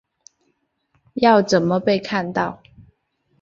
要怎么被看到